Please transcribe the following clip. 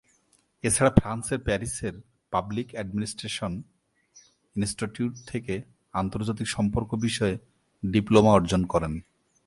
এছাড়া ফ্রান্সের প্যারিসের পাবলিক অ্যাডমিনিস্ট্রেশন ইনস্টিটিউট থেকে আন্তর্জাতিক সম্পর্ক বিষয়ে ডিপ্লোমা অর্জন করেন।